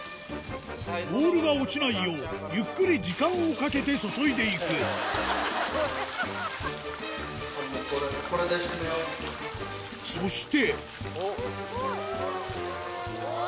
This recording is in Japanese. ボールが落ちないようゆっくり時間をかけて注いでいくそしてえっ！